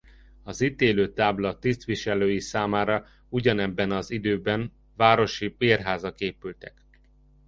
Az ítélőtábla tisztviselői számára ugyanebben az időben városi bérházak épültek.